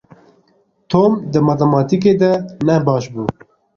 Tom di matematîkê de ne baş bû.